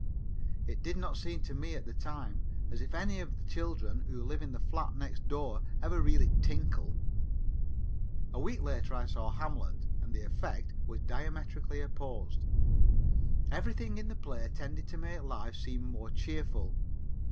It did not seem to me at the time as if any of the children who live in the flat next door ever really tinkle. A week later I saw Hamlet and the effect was diametrically opposite. Everything in the play tended to make life seem more cheerful.